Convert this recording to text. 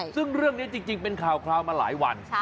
ซึ่งเรื่องนี้จริงเป็นข่าวมาหลายวัน